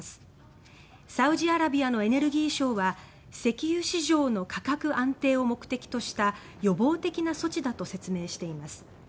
サウジアラビアのエネルギー省は「石油市場の価格安定を目的とした予防的な措置だ」と説明しています。